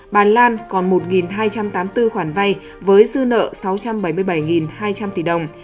bà lan còn một hai trăm tám mươi bốn khoản vay với dư nợ sáu trăm bảy mươi bảy hai trăm linh tỷ đồng